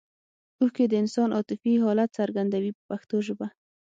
اوښکې د انسان عاطفي حالت څرګندوي په پښتو ژبه.